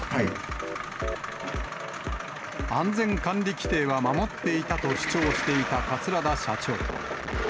安全管理規程は守っていたと主張していた桂田社長。